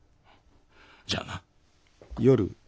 じゃあな。